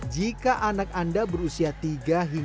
jika anak anda berusia tiga hingga enam belas tahun